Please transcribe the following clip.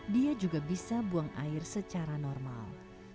dia juga bisa buang air secara normal